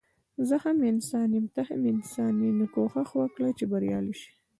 زه هم انسان يم ته هم انسان يي نو کوښښ وکړه چي بريالی شي